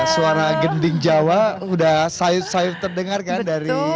suara gending jawa sudah sayur sayur terdengar kan dari arena